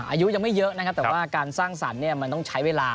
อายุยังไม่เยอะแต่ว่าการสร้างศรรย์มันต้องใช้เวลา